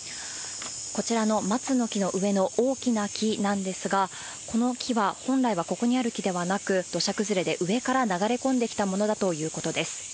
こちらの松の木の上の大きな木なんですが、この木は本来はここにある木ではなく、土砂崩れで上から流れ込んできたものだということです。